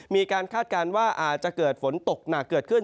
คาดการณ์ว่าอาจจะเกิดฝนตกหนักเกิดขึ้น